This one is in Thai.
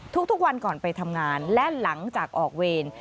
ทุกวันก่อนไปทำงานและหลังจากออกเวร